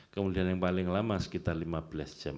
kemudian yang paling lama sekitar lima belas jam